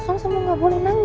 kamu semua gak boleh nangis ya